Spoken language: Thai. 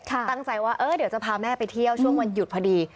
ตั้งใจว่าเดี๋ยวจะพาแม่ไปเที่ยวช่วงวันหยุดพอดี